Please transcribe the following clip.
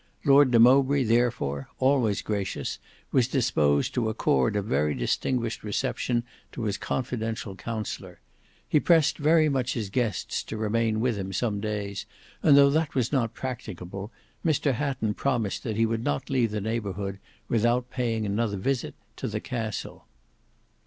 Lord de Mowbray therefore, always gracious, was disposed to accord a very distinguished reception to his confidential counsellor. He pressed very much his guests to remain with him some days, and though that was not practicable, Mr Hatton promised that he would not leave the neighbourhood without paying another visit to the castle.